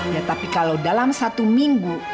ya tapi kalau dalam satu minggu